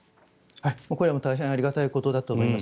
これは大変ありがたいことだと思います。